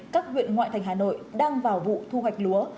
các huyện ngoại thành hà nội đang vào vụ thu hoạch lúa